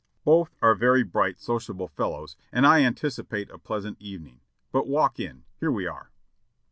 Both are very bright, sociable fellows and I anticipate a pleasant evening. But walk in, here we are."